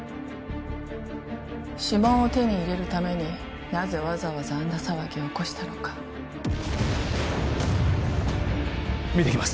指紋を手に入れるためになぜわざわざあんな騒ぎを起こしたのか見てきます